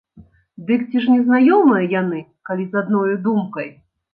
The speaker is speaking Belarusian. Дык ці ж незнаёмыя яны, калі з адною думкай!